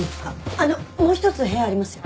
あのもう一つ部屋ありますよ。